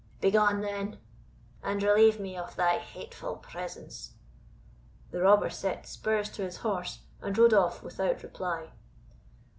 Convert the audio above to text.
"Begone, then, and relieve me of thy hateful presence." The robber set spurs to his horse, and rode off without reply.